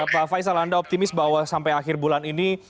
pak faisal anda optimis bahwa sampai akhir bulan ini